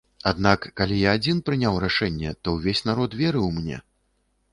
Аднак, калі я адзін прыняў рашэнне, то ўвесь народ верыў мне.